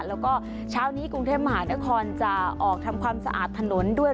แล้วก็เช้านี้กรุงเทพมหานครจะออกทำความสะอาดถนนด้วย